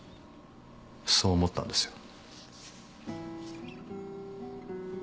そう思ったんですよ。